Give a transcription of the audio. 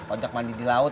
ojak mandi di laut